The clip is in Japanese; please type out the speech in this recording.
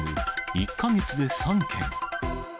１か月で３件。